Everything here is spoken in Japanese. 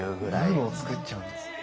ブームを作っちゃうんですね。